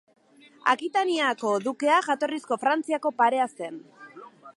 Akitaniako dukea jatorrizko Frantziako parea zen.